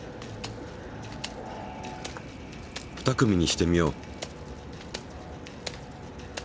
２組にしてみよう。